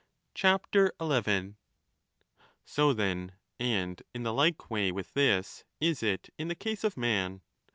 11 So, then, and in the like way with this, is it in the case of man.